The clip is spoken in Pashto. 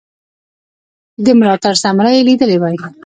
د ملاتړ ثمره یې لیدلې وای.